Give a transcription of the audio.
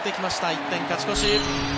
１点勝ち越し。